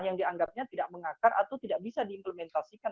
yang dianggapnya tidak mengakar atau tidak bisa diimplementasikan